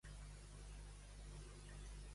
Quan van ser les darreres eleccions a Espanya?